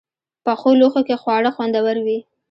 پخو لوښو کې خواړه خوندور وي